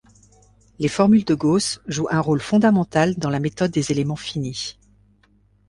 Les formules de Gauss jouent un rôle fondamental dans la méthode des éléments finis.